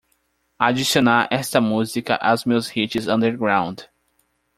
Adicionar esta música aos meus hits underground